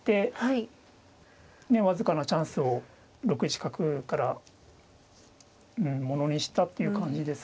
で僅かなチャンスを６一角からものにしたっていう感じですね。